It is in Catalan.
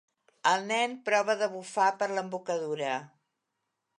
El nen prova de bufar per l'embocadura.